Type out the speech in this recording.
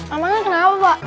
namanya kenapa pak